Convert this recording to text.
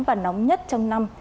và nóng nhất trong năm